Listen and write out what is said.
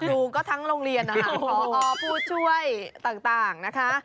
ครูก็ทั้งโรงเรียนพอพูดช่วยต่างนะคะ